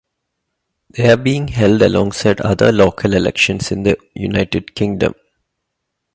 They are being held alongside other local elections in the United Kingdom.